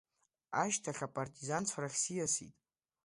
Ашьҭахь апартизанцәа рахь сиасит.